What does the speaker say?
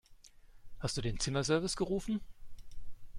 Hast du den Zimmerservice gerufen?